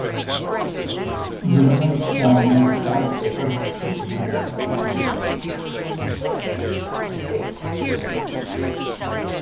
"Rumours" garnered widespread critical acclaim.